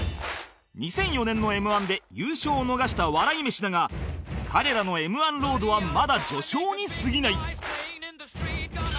２００４年の Ｍ−１ で優勝を逃した笑い飯だが彼らの Ｍ−１ ロードはまだ序章に過ぎない